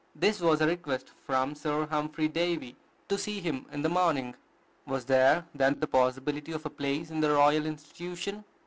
This was a request from Sir Humphry Davy to see him in the morning. Was there, then, the possibility of a place in the Royal Institution?